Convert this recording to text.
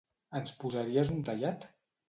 Ens posaries un tallat?